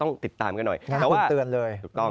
ต้องติดตามกันหน่อย